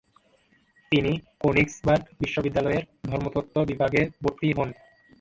তিনি কোনিগ্সবার্গ বিশ্ববিদ্যালয়ের ধর্মতত্ত্ব বিভাগে ভর্তি হন।